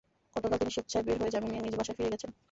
গতকাল তিনি স্বেচ্ছায় বের হয়ে জামিন নিয়ে নিজ বাসায় ফিরে গেছেন।